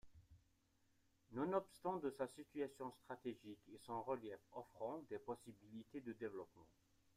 Nonobstant de sa situation stratégique et son relief offrant des possibilités de développement.